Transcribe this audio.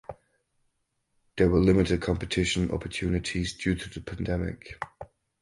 There were limited competition opportunities due to the pandemic.